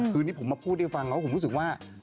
คือนี้ผมมาพูดให้ฟังแล้วผมรู้สึกว่า